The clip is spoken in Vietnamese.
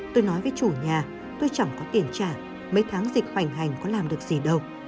tôi nói với chủ nhà tôi chẳng có tiền trả mấy tháng dịch hoành hành có làm được gì đâu